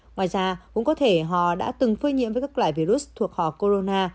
ngoài ra cũng có thể họ đã từng phơi nhiễm với các loại virus thuộc hò corona